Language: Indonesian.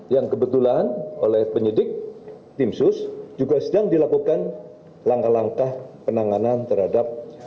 yang kebetulan oleh penyidik tim sus juga sedang dilakukan langkah langkah penanganan terhadap